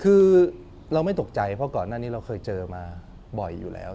คือเราไม่ตกใจเพราะก่อนหน้านี้เราเคยเจอมาบ่อยอยู่แล้ว